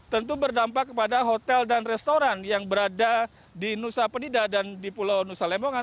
tentu berdampak kepada hotel dan restoran yang berada di nusa penida dan di pulau nusa lembongan